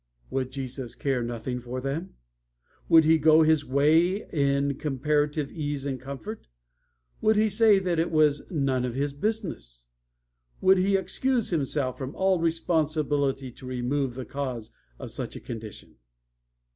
Would Jesus care nothing for them? Would He go His way in comparative ease and comfort? Would He say that it was none of His business? Would He excuse Himself from all responsibility to remove the causes of such a condition?